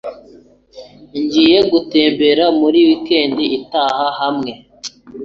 Ngiye gutembera muri weekend itaha hamwe .